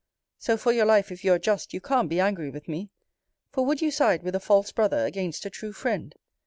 So, for your life, if you are just, you can't be angry with me: For would you side with a false brother against a true friend?